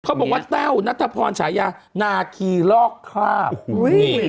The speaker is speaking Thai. เขาบอกว่าแต้วณธพรสายานาคีลอกคราบ